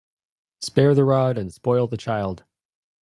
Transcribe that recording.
Spare the rod and spoil the child.